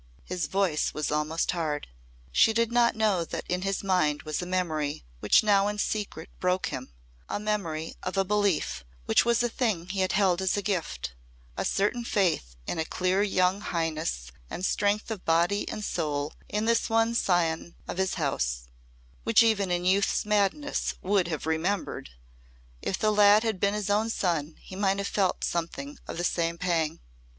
His voice was almost hard. She did not know that in his mind was a memory which now in secret broke him a memory of a belief which was a thing he had held as a gift a certain faith in a clear young highness and strength of body and soul in this one scion of his house, which even in youth's madness would have remembered. If the lad had been his own son he might have felt something of the same pang.